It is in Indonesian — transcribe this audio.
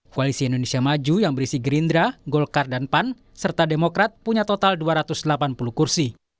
koalisi indonesia maju yang berisi gerindra golkar dan pan serta demokrat punya total dua ratus delapan puluh kursi